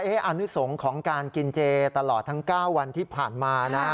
อนุสงของการกินเจตลอดทั้ง๙วันที่ผ่านมานะ